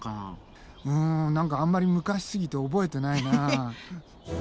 うん何かあんまり昔すぎて覚えてないなあ。